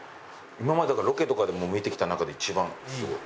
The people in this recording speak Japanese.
今までロケとかでも見てきた中で一番すごい。